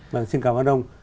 vâng xin cảm ơn ông